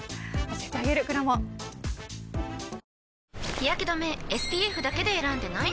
日やけ止めＳＰＦだけで選んでない？